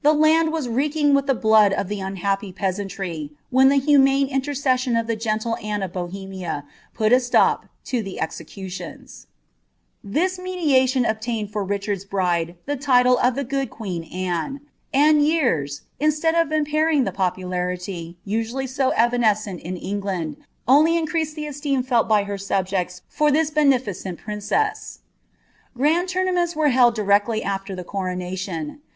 land was reeking with ilie blood oT ilie unhappy peamntiy, whm Iht humane inierceKMon uf the gentle Anne of Bohemia put a alop to ih* This mediation obtained for Bichani's bride the title of " the fomf queen Anne ;" and years, instead of impairing the popularity, niiiialfy w evanescent in England, only increased the ealeem fell by ber aubjectt for this beneliceni princess. Grand louruamenis were held directly afler the coronation.